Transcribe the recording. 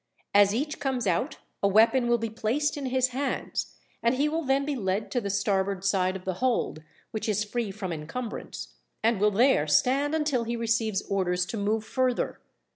As each comes out a weapon will be placed in his hands, and he will be then led to the starboard side of the hold, which is free from encumbrance, and will there stand until he receives orders to move further.